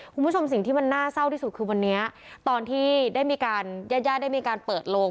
คุณผู้ชมสิ่งที่มันน่าเศร้าที่สุดคือวันนี้ตอนที่ได้มีการญาติญาติได้มีการเปิดโลง